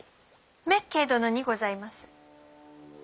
滅敬殿にございます。